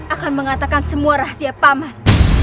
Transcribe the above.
akan mengatakan semua rahasia paman